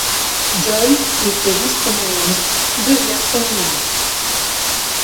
John qui était vice-premier Ministre, devient Premier ministre.